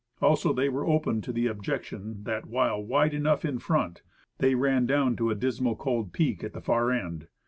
Also, they were open to the objection, that while wide enough in front, they ran down to a dismal, cold peak at the far end.